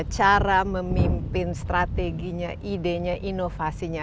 cara memimpin strateginya idenya inovasinya